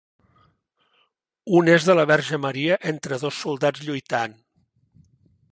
Un és de la Verge Maria entre dos soldats lluitant.